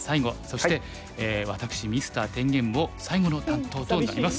そして私Ｍｒ．天元も最後の担当となります。